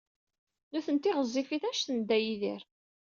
Nitenti ɣezzifit anect n Dda Yidir.